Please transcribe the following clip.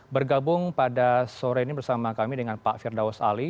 bergabung pada sore ini bersama kami dengan pak firdaus ali